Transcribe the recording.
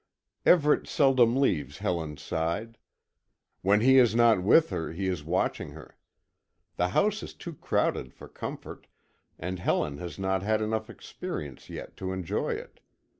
Everet seldom leaves Helen's side. When he is not with her, he is watching her. The house is too crowded for comfort, and Helen has not had enough experience yet to enjoy it.